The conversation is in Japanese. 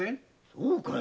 そうかい。